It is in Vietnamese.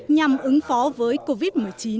nhằm ứng phó với covid một mươi chín